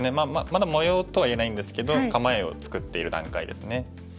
まだ模様とは言えないんですけど構えを作っている段階ですね。